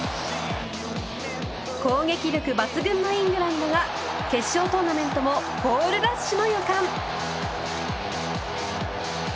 攻撃力抜群のイングランドが決勝トーナメントもゴールラッシュの予感！